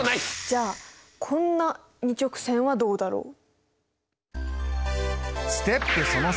じゃあこんな２直線はどうだろう？